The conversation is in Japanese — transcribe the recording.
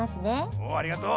おおありがとう。